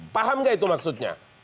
paham nggak itu maksudnya